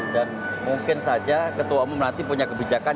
dan mungkin saja ketua umum berarti punya kebijakan